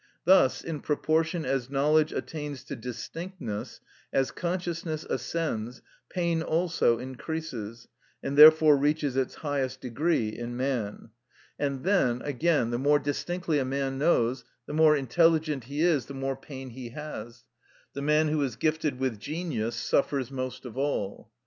Thus, in proportion as knowledge attains to distinctness, as consciousness ascends, pain also increases, and therefore reaches its highest degree in man. And then, again, the more distinctly a man knows, the more intelligent he is, the more pain he has; the man who is gifted with genius suffers most of all.